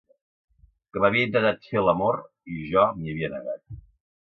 Que m'havia intentat fer l'amor i jo m'hi havia negat.